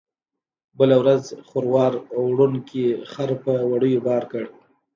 بله ورځ خروار وړونکي خر په وړیو بار کړ.